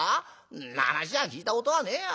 んな話は聞いたことはねえや。